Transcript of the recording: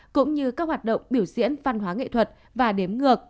cũng như các hoạt động biểu diễn văn hóa nghệ thuật và đếm ngược